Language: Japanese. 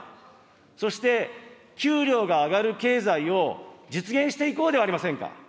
そして給料が上がる経済を、実現していこうではありませんか。